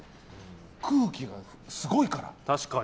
空気がすごいから。